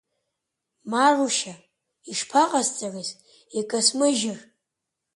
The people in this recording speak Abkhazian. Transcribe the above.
Марушьа, ишԥаҟасҵарыз икасмыжьыр!